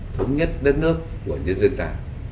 thống nhất đất nước của nhân dân ta